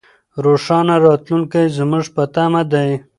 روښانه راتلونکی زموږ په تمه دی.